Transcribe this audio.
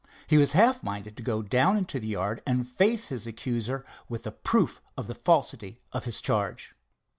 He was half minded to go down into the yard and face his accuser with the proof of the falsity of his charge.